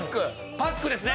パックですね。